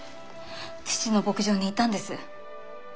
父の牧場にいたんです。